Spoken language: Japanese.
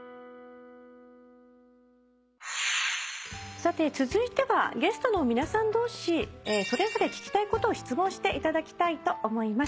さて続いてはゲストの皆さん同士それぞれ聞きたいことを質問していただきたいと思います。